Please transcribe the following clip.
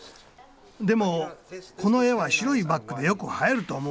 でもこの絵は白いバックでよく映えると思うけどな。